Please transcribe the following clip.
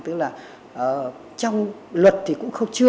tức là trong luật thì cũng không chứa